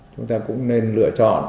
chúng ta cũng nên lựa chọn